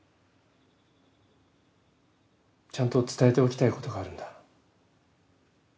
ちゃんと伝えておきたいことがあるんだ。